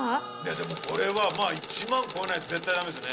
でもこれは１万円超えないと絶対ダメですね。